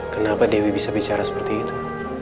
kenapa dewi bisa bicara seperti itu